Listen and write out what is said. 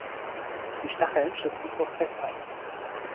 Die Stacheln schützen vor Fressfeinden.